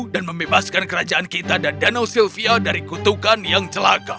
dan membebaskan kerajaan kita dan danau sylvia dari kutukan yang celaka